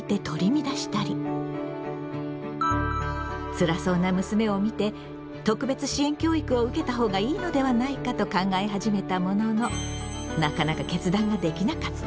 つらそうな娘を見て特別支援教育を受けた方がいいのではないかと考え始めたもののなかなか決断ができなかった。